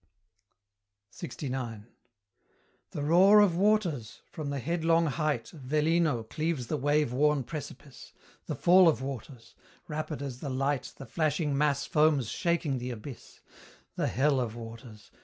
LXIX. The roar of waters! from the headlong height Velino cleaves the wave worn precipice; The fall of waters! rapid as the light The flashing mass foams shaking the abyss; The hell of waters!